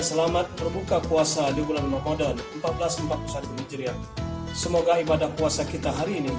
selamat berbuka puasa di bulan ramadan seribu empat ratus empat puluh satu hijriah semoga ibadah puasa kita hari ini